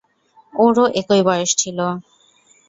ওরও একই বয়স ছিল।